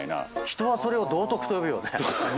人はそれを道徳と呼ぶよね。